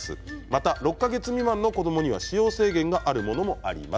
また６か月未満の子どもには使用制限があるものもあります。